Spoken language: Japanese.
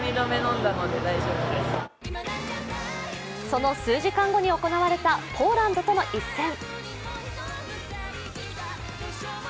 その数時間後に行われたポーランドとの一戦。